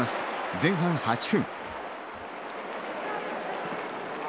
前半８分。